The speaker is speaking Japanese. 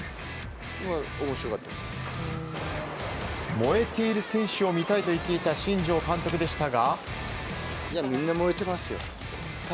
燃えている選手を見たいと言っていた新庄監督でしたが。